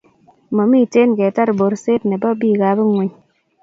Mamiten ketar borset nebo biikab ingweny